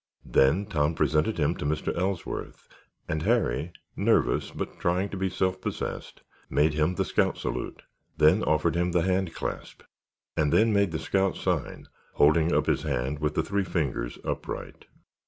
Then Tom presented him to Mr. Ellsworth and Harry, nervous but trying to be self possessed, made him the scout salute, then offered him the hand clasp, and then made the scout sign, holding up his hand with the three fingers upright.